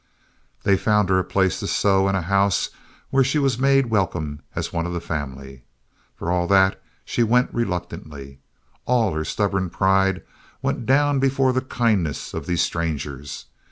They found her a place to sew in a house where she was made welcome as one of the family. For all that, she went reluctantly. All her stubborn pride went down before the kindness of these strangers.